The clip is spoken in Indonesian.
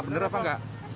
benar apa enggak